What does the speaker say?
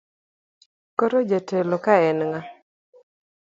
Koro jatelo ka en ng'a?